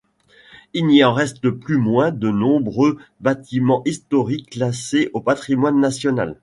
Il n’y en reste pas moins de nombreux bâtiments historiques classés au patrimoine national.